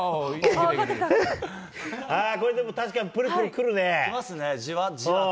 でも、確かにプルプルくるね。